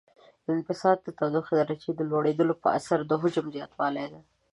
انبساط د تودوخې درجې د لوړیدو په اثر د حجم زیاتوالی دی.